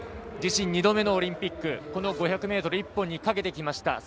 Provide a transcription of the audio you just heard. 自身２度目のオリンピックこの５００ｍ１本にかけてきました。